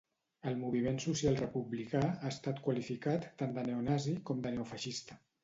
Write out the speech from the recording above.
El Moviment Social Republicà ha estat qualificat tant de neonazi com de neofeixista.